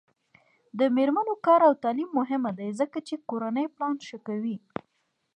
د میرمنو کار او تعلیم مهم دی ځکه چې کورنۍ پلان ښه کوي.